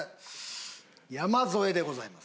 山添でございます。